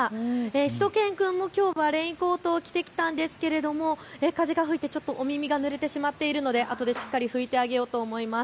しゅと犬くんもきょうはレインコートを着てきたんですが風が吹いてちょっとお耳がぬれてしまっているのであとでしっかり拭いてあげようと思います。